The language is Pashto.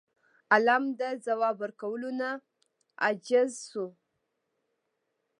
عالم د ځواب ورکولو نه عاجز شو.